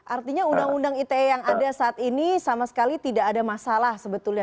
artinya undang undang ite yang ada saat ini sama sekali tidak ada masalah sebetulnya